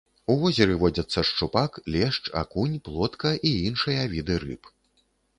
У возеры водзяцца шчупак, лешч, лінь, акунь, плотка і іншыя віды рыб.